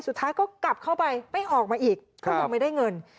สุดท้ายก็กลับเข้าไปไม่ออกมาอีกก็ยังไม่ได้เงิน